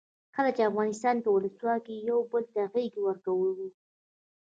کله چې افغانستان کې ولسواکي وي یو بل ته غیږ ورکوو.